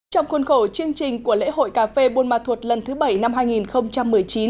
trong khuôn khổ chương trình của lễ hội cà phê buôn ma thuột lần thứ bảy năm hai nghìn một mươi chín